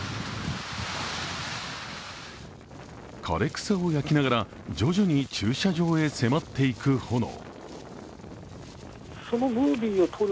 枯れ草を焼きながら徐々に駐車場へ迫っていく炎。